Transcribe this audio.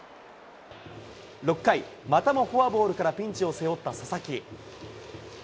６回、またもフォアボールからピンチを背負った佐々木。